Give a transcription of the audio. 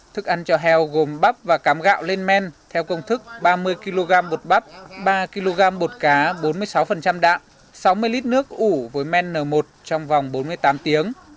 thức ăn cho heo gồm bắp và cám gạo lên men theo công thức ba mươi kg bột bắp ba kg bột cá bốn mươi sáu gạo sáu mươi lít nước ủ với men một trong vòng bốn mươi tám tiếng